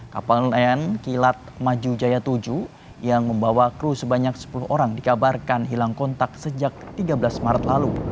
kapal nelayan kilat maju jaya tujuh yang membawa kru sebanyak sepuluh orang dikabarkan hilang kontak sejak tiga belas maret lalu